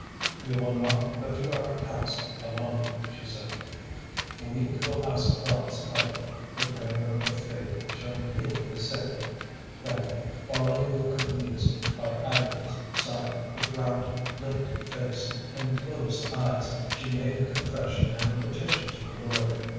"We will not go to our task alone," she said, "we will ask God's help. The prayer of faith shall heal the sick." Then falling to her knees by Agatha's side, with rapt, lifted face and closed eyes, she made her confession and her petition to the Lord.